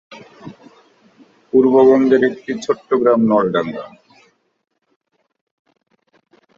পূর্ববঙ্গের একটি ছোট্ট গ্রাম নলডাঙ্গা।